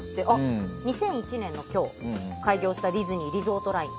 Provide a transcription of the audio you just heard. ２００１年の今日開業したディズニーリゾートライン。